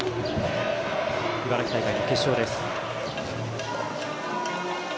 茨城大会の決勝です。